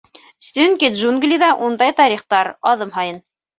— Сөнки джунглиҙа ундай тарихтар — аҙым һайын.